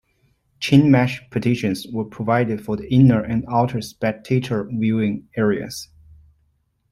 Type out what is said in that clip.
Chain mesh partitions were provided for the "inner" and "outer" spectator viewing areas.